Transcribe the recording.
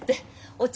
お茶？